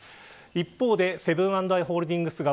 一方のセブン＆アイ・ホールディングス側。